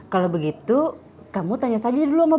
kalau begitu kamu tanya saji dulu sama bapak